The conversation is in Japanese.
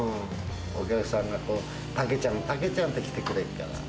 お客さんが、こう、たけちゃん、たけちゃんって、来てくれっから。